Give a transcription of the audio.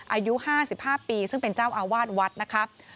อายุ๕๕ปีซึ่งเป็นเจ้าอาวาสวัดนะคะ